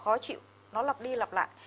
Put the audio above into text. khó chịu nó lập đi lập lại